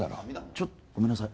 ちょっとごめんなさい